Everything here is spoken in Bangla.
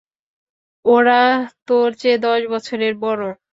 ওরা তোর চেয়ে দশ বছরের বড়।